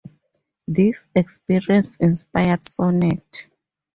This experience inspired Sonnet.